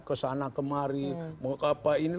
kesana kemari mau apa ini